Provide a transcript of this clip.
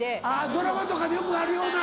ドラマとかでよくあるような。